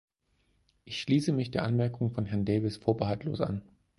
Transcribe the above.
Ich schließe mich der Anmerkung von Herrn Davies vorbehaltlos an.